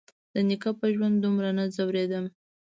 د نيکه په ژوند دومره نه ځورېدم.